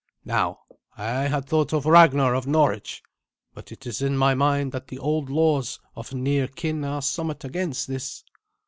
Now, I had thought of Ragnar of Norwich; but it is in my mind that the old laws of near kin are somewhat against this."